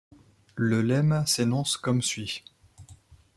Le lemme s'énonce comme suit.